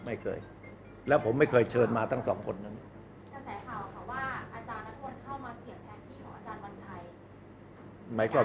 ไม่ได้มีปัญหาหัดแยกกันใช่ไหมครับ